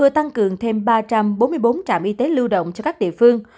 tăng cường thêm ba trăm bốn mươi bốn trạm y tế lưu động cho các địa phương